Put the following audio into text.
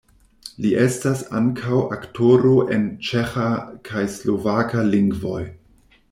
Li estas ankaŭ aktoro en ĉeĥa kaj slovaka lingvoj.